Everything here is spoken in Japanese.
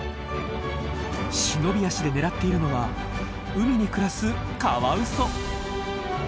忍び足で狙っているのは海に暮らすカワウソ。